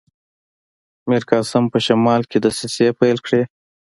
میرقاسم په شمال کې دسیسې پیل کړي.